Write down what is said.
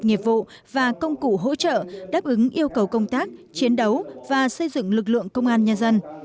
nghiệp vụ và công cụ hỗ trợ đáp ứng yêu cầu công tác chiến đấu và xây dựng lực lượng công an nhân dân